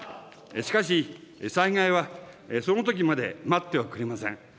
しかし災害はそのときまで待ってはくれません。